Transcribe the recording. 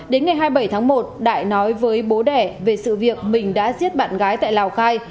đến ngày hai mươi bảy tháng một đại nói với bố đẻ về sự việc mình đã giết bạn gái tại lào cai